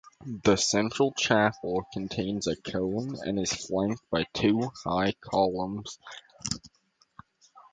The central chapel contains a cone and is flanked by two high columns.